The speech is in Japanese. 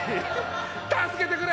助けてくれ！